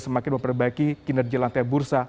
semakin memperbaiki kinerja lantai bursa